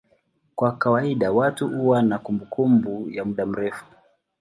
Kwa kawaida watu huwa na kumbukumbu ya muda mrefu.